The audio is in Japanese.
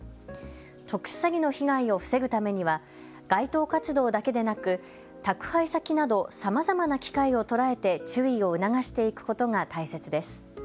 特殊詐欺の被害を防ぐためには街頭活動だけでなく宅配先などさまざまな機会を捉えて注意を促していくことが大切です。